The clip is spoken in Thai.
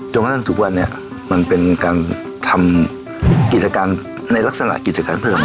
กระทั่งทุกวันนี้มันเป็นการทำกิจการในลักษณะกิจการเพิ่ม